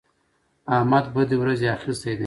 احمد بدې ورځې اخيستی دی.